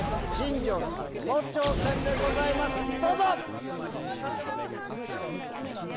新庄さんの挑戦でございます。